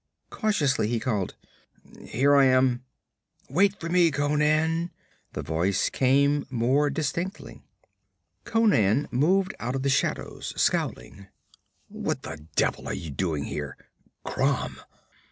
Cautiously he called: 'Here I am.' 'Wait for me, Conan!' the voice came more distinctly. Conan moved out of the shadows, scowling. 'What the devil are you doing here? Crom!'